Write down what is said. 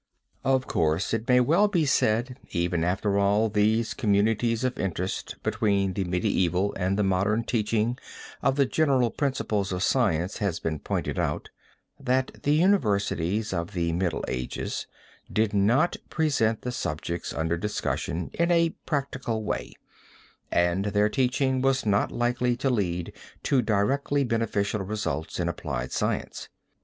Of course it may well be said even after all these communities of interest between the medieval and the modern teaching of the general principles of science has been pointed out, that the universities of the Middle Ages did not present the subjects under discussion in a practical way, and their teaching was not likely to lead to directly beneficial results in applied science.